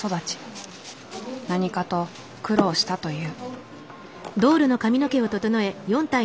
何かと苦労したという。